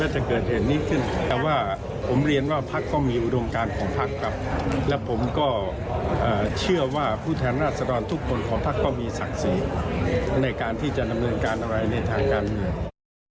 ทุกคนของพักษณ์ก็มีศักดิ์ศรีในการที่จะดำเนินการอะไรในทางการเนื้อ